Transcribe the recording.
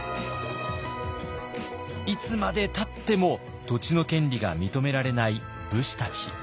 いつまでたっても土地の権利が認められない武士たち。